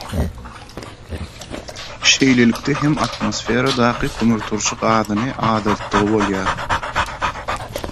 Şeýlelikde hem atmosferadaky kömürturşy gazyny azaltdygy bolýar.